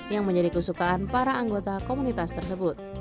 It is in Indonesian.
yang menjadi kesukaan para anggota komunitas tersebut